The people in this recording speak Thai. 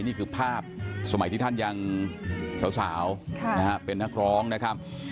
นี่คือภาพสมัยที่ท่านยังสาวเป็นนักร้องนะครับ